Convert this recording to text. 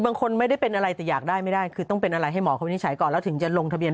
เดี๋ยวเรามาดูคำว่าเสรีของเขาก็ต้องรอให้ทางรัฐมนตร์อานุทิน